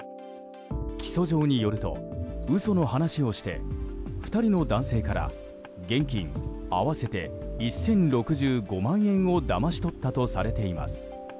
起訴状によると嘘の話をして２人の男性から現金合わせて１０６５万円をだまし取ったとされています。